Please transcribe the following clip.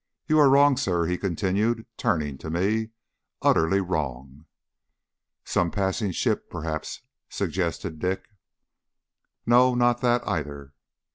You are wrong, sir," he continued, turning to me, "utterly wrong." "Some passing ship, perhaps," suggested Dick. "No, nor that either."